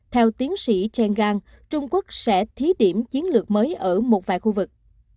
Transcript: theo tiến sĩ chang gang trung quốc sẽ thí điểm chiến lược mới ở một vài khu vực